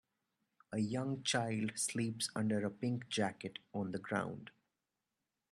A young child sleeps under a pink jacket, on the ground.